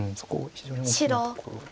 非常に大きなところで。